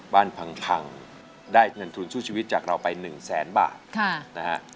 บ้านพังคังได้เงินทุนสู้ชีวิตจากเราไปหนึ่งแสนบาทค่ะนะฮะ